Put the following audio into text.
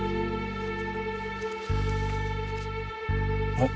あっ。